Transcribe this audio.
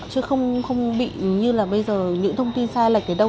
chứ không bị như là bây giờ những thông tin sai lệch gì đâu